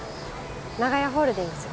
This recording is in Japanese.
長屋ホールディングス。